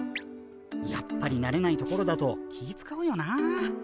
やっぱりなれない所だと気ぃ遣うよなあ。